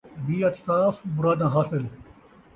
نیت صاف ، مراداں حاصل